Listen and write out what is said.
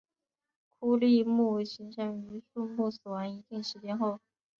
枯立木形成于树木死亡一定时间后。